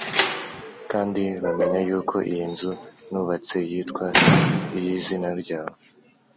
kandi bamenye yuko iyi nzu nubatse, yitwa iy’izina ryawe.